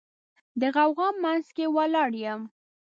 د غوغا منځ کې ولاړ یم